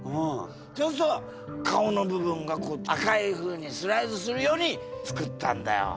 そうすると顔の部分がこう赤いふうにスライドするようにつくったんだよ。